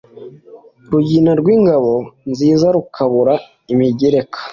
Rugina rw' ingabo nzizaRukabura imigereka